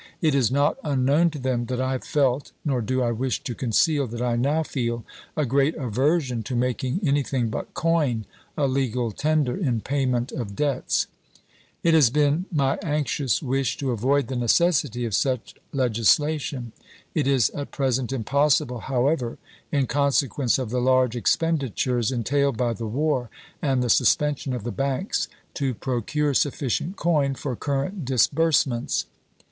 It is not unknown to them that I have felt, nor do I wish to conceal that I now feel, a great aversion to making any thing but coin a legal tender in payment of debts. It has been my anxious wish to avoid the necessity of such legisla tion. It is at present impossible, however, in consequence of the large expenditures entailed by the war and the sus pension of the banks, to procure sufficient coin for current disbursements.